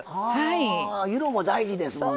あ色も大事ですもんね。